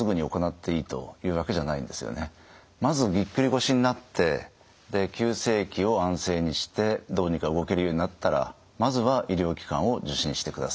まずぎっくり腰になって急性期を安静にしてどうにか動けるようになったらまずは医療機関を受診してください。